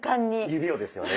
指をですよね？